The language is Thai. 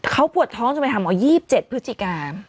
เขาปวดท้องจะไปหาหมอ๒๗พฤศจิกา